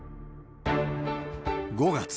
５月。